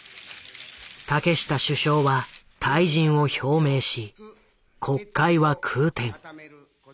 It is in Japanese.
竹下首相は退陣を表明し国会は空転。